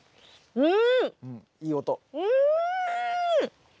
うん。